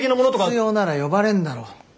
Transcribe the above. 必要なら呼ばれんだろ。